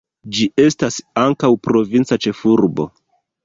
Ĝi estas ankaŭ provinca ĉefurbo.